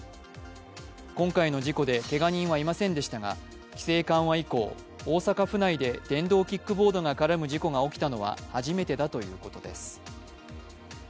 今回の事故でけが人はいませんでしたが規制緩和以降、大阪府内で電動キックボードが絡む事故が起きたのは初めてだということです。